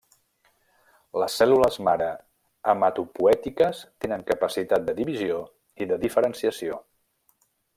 Les cèl·lules mare hematopoètiques tenen capacitat de divisió i de diferenciació.